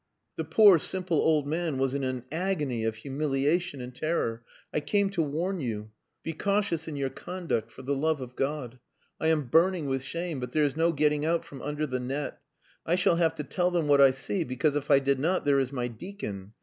The poor, simple old man was in an agony of humiliation and terror. "I came to warn you. Be cautious in your conduct, for the love of God. I am burning with shame, but there is no getting out from under the net. I shall have to tell them what I see, because if I did not there is my deacon.